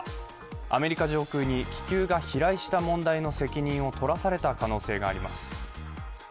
アメリカ上空に気球が飛来した問題の責任をとらされた可能性があります。